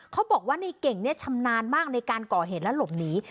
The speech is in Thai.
เขาบอกว่าในเก่งเนี่ยชำนาญมากในการก่อเหตุและหลบหนี